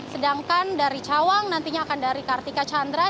sedangkan dari cawang nantinya akan dari kartika chandra